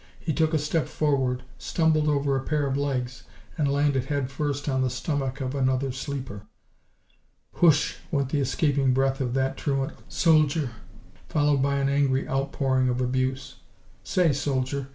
He took a step forward, stumbled over a pair of legs and landed headfirst on the stomach of another sleeper. "Whoosh!" went the escaping breath of that truant soldier, followed by an angry outpouring of abuse. "Say, soldier!